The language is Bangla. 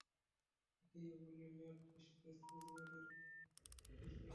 একেই বলে লেট-স্টেজ পুঁজিবাদের খুশী।